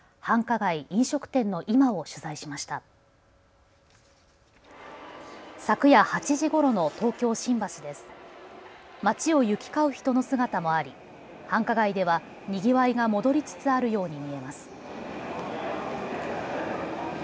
街を行き交う人の姿もあり繁華街では、にぎわいが戻りつつあるように見えます。